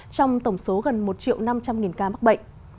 trong tổng số gần một triệu năm trăm linh ca mắc bệnh